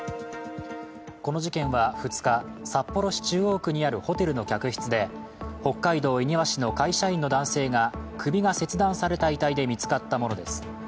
この事件は２日、札幌市中央区にあるホテルの客室で北海道恵庭市の会社員の男性が首が切断された遺体で見つかったものです。